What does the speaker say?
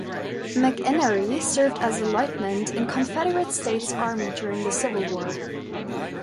McEnery served as a lieutenant in the Confederate States Army during the Civil War.